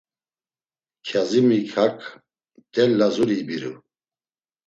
Kyazimik hak mtel Lazuri ibiru.